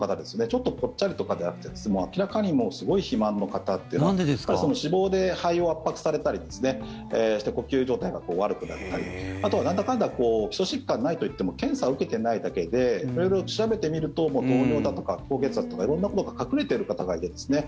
ちょっと、ぽっちゃりとかであるというよりは明らかにすごい肥満の方というのは脂肪で肺を圧迫されたりして呼吸状態が悪くなったりあとはなんだかんだ基礎疾患がないといっても検査を受けていないだけで色々調べてみると糖尿だとか高血圧とか色んなことが隠れている方がいるんですね。